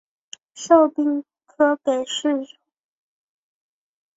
授兵科给事中。